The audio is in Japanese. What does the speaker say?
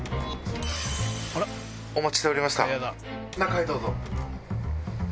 お待ちしておりました中へどうぞ。